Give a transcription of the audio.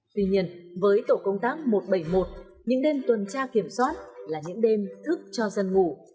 tuy nhiên với tổ công tác một trăm bảy mươi một những đêm tuần tra kiểm soát là những đêm thức cho dân ngủ